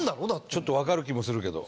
ちょっとわかる気もするけど。